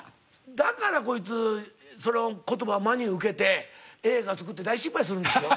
だからこいつその言葉を真に受けて映画作って大失敗するんですよ。